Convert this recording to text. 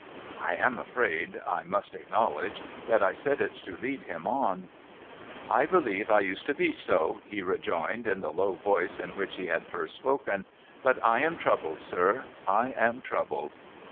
(I am afraid I must acknowledge that I said it to lead him on.) ' I believe I used to be so,' he rejoined, in the low voice in which he had first spoken ;' but I am troubled, sir, I am troubled.'